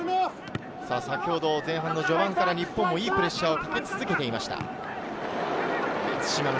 序盤から日本も、いいプレッシャーをかけ続けていました。